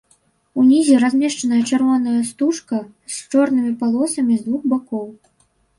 Унізе размешчаная чырвоная стужка з чорнымі палосамі з двух бакоў.